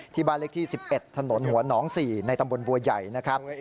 ที่บ้านเลขที่๑๑ถนนหัวหนอง๔ในตำบลบัวใหญ่นะครับ